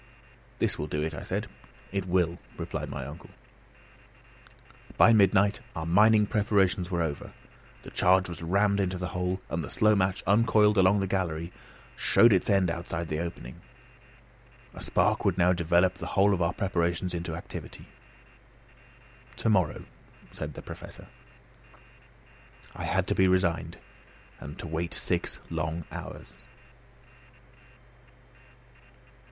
"This will do it," I said. "It will," replied my uncle. By midnight our mining preparations were over; the charge was rammed into the hole, and the slow match uncoiled along the gallery showed its end outside the opening. A spark would now develop the whole of our preparations into activity. "To morrow," said the Professor. I had to be resigned and to wait six long hours.